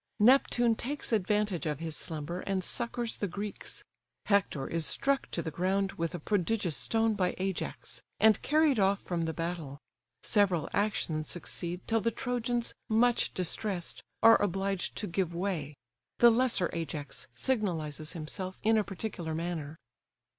Neptune takes advantage of his slumber, and succours the Greeks: Hector is struck to the ground with a prodigious stone by Ajax, and carried off from the battle: several actions succeed, till the Trojans, much distressed, are obliged to give way: the lesser Ajax signalizes himself in a particular manner.